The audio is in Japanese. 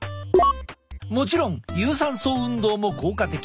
もちろん有酸素運動も効果的。